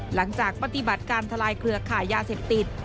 หลังจากปฏิบัติการทลายเครือขายยาเสพติด